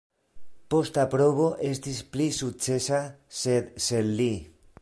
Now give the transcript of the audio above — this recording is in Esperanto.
Posta provo estis pli sukcesa, sed sen li.